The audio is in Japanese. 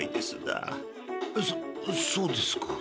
そそうですか。